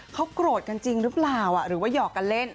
เขาโกรธกันจริงหรือเปล่าหรือว่าหยอกกันเล่น